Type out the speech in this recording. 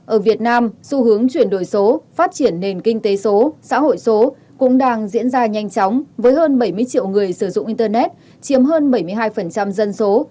ở việt nam xu hướng chuyển đổi số phát triển nền kinh tế số xã hội số cũng đang diễn ra nhanh chóng với hơn bảy mươi triệu người sử dụng internet chiếm hơn bảy mươi hai dân số